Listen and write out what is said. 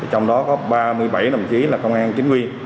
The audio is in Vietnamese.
trong đó có ba mươi bảy đồng chí là công an chính quy